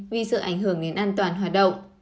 vì sự ảnh hưởng đến an toàn hoạt động